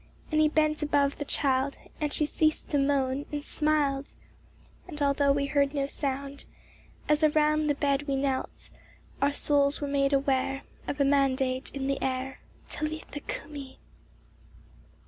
And he bent above the child, and she ceased to moan, and smiled ; And although we heard no sound, as around the bed we knelt, Our souls were made aware of a mandate in the air, " Talitha cumi